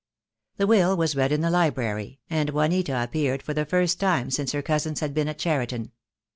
The will was read in the library, and Juanita ap peared for the first time since her cousins had been at Cheriton.